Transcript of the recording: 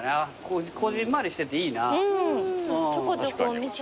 こぢんまりしてていいな。